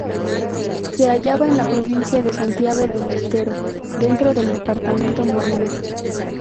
Se hallaba en la provincia de Santiago del Estero, dentro del Departamento Moreno.